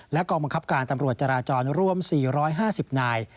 กองบังคับการตำรวจจราจรรวม๔๕๐นาย